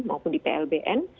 maupun di plbn